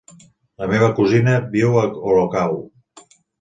La meva cosina viu a Olocau.